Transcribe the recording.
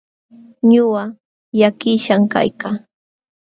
Ñuqa llakishqan kaykaa.